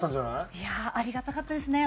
いやありがたかったですね。